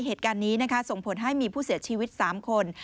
เหตุการณ์นี้ส่งผลให้มีผู้เสียชีวิต๓คน